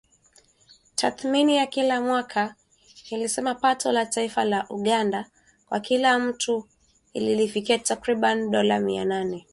Tathmini ya kila mwaka, ilisema pato la taifa la Uganda kwa kila mtu lilifikia takriban dola mia nane arobaini mwaka wa elfu mbili ishirini na moja.